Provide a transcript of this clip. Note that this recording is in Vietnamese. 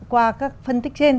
qua các phân tích trên